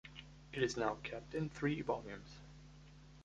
It is now kept in three volumes.